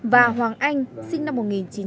và hoàng anh sinh năm một nghìn chín trăm tám mươi